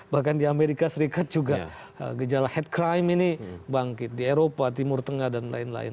bahkan di amerika serikat juga gejala head crime ini bangkit di eropa timur tengah dan lain lain